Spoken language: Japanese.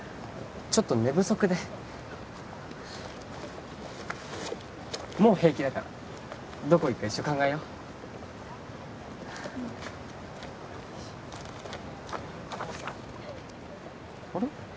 ちょっと寝不足でもう平気だからどこ行くか一緒に考えよううんあれ？